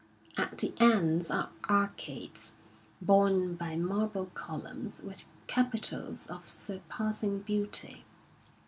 At the ends are arcades, borne by marble columns with capitals of surpassing beauty.